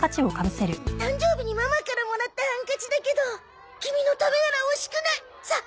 誕生日にママからもらったハンカチだけどキミのためなら惜しくない。さあ！